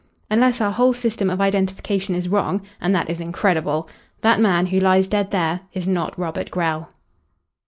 Unless our whole system of identification is wrong and that is incredible that man who lies dead there is not Robert Grell."